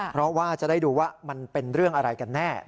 เพราะว่าจะได้ดูว่ามันเป็นเรื่องอะไรกันแน่